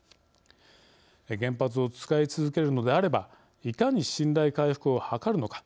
原発を使い続けるのであればいかに信頼回復を図るのか。